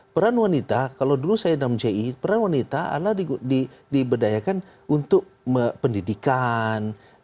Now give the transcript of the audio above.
peran wanita kalau dulu saya enam ji peran wanita adalah diberdayakan untuk pendidikan